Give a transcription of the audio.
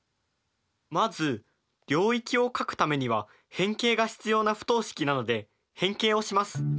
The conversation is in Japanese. まず領域を書くためには変形が必要な不等式なので変形をします。